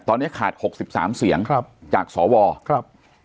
ตอนนี้ขาดหกสิบสามเสียงครับจากสวครับ